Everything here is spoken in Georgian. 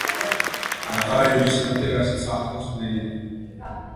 რაღაა იგი სინათლე, რასაცა ახლავს ბნელია?!